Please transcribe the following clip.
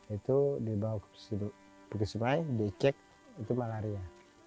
itu dibawa ke sungai dicek itu malaria